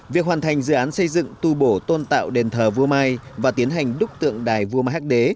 việc hoàn thành dự án xây dựng tu bổ tôn tạo đền thờ vua mai và tiến hành đúc tượng đài vua mahac đế